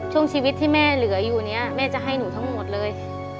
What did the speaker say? ช่วงชีวิตที่แม่เหลืออยู่เนี่ยแม่จะให้หนูทั้งหมดเลย